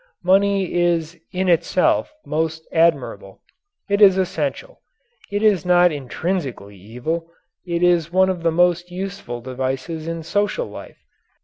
Money is in itself most admirable. It is essential. It is not intrinsically evil. It is one of the most useful devices in social life.